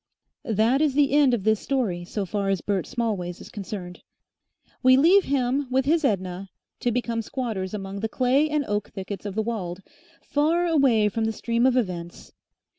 That is the end of this story so far as Bert Smallways is concerned. We leave him with his Edna to become squatters among the clay and oak thickets of the Weald, far away from the stream of events.